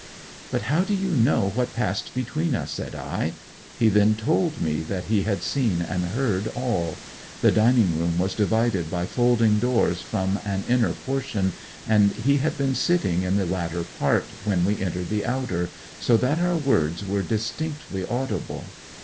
'But how do you know what passed between us,' said I. He then told me that he had seen and heard all. The dining room was divided by folding doors from an inner portion, and he had been sitting in the latter part when we entered the outer, so that our words were distinctly audible.